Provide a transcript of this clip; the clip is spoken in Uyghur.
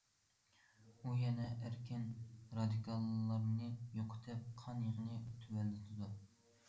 ئۇ يەنە ئەركىن رادىكاللارنى يوقىتىپ، قان يېغىنى تۆۋەنلىتىدۇ.